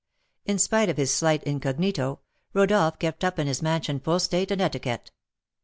In spite of his slight incognito, Rodolph kept up in his mansion full state and etiquette.